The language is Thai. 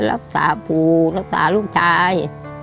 รักษาปู่รักษาลูกชาย